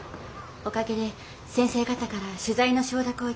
おかげで先生方から取材の承諾を頂けたわ。